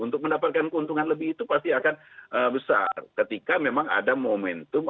untuk mendapatkan keuntungan lebih itu pasti akan besar ketika memang ada momentum